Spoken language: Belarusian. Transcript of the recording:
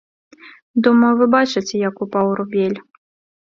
Думаю, вы бачыце, як упаў рубель.